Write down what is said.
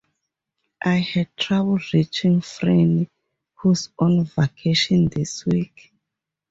I had trouble reaching Franny, who’s on vacation this week.